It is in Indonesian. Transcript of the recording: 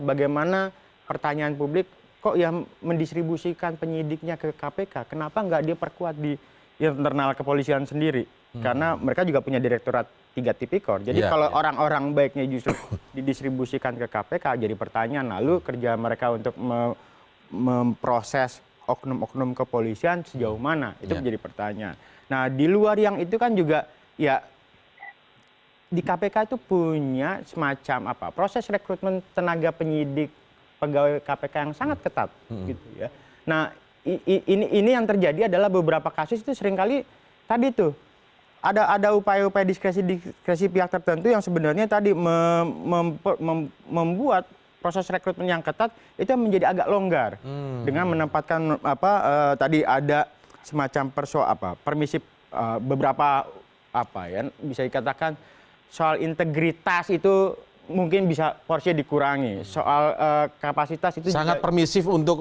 atau tadi penanganan penanganan kasus